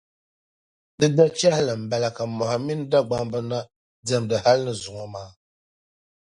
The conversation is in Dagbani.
Di dachɛhili mbala ka Mohi mini Dagbamba na diɛmdi hali ni zuŋɔ maa.